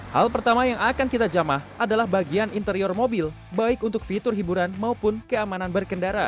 hal pertama yang akan kita jamah adalah bagian interior mobil baik untuk fitur hiburan maupun keamanan berkendara